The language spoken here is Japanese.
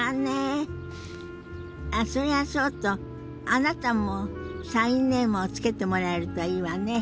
あっそれはそうとあなたもサインネームを付けてもらえるといいわね。